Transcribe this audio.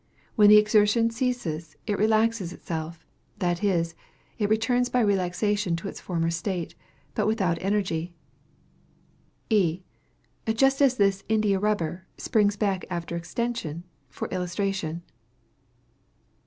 When the exertion ceases, it relaxes itself, that is, it returns by relaxation to its former state, but without energy." E. Just as this India rubber springs back after extension, for illustration.